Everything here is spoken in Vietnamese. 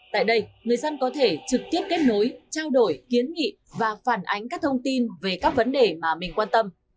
tại đây người dân có thể trực tiếp kết nối trao đổi kiến nghị và phản ánh các thông tin về các vấn đề mà mình quan tâm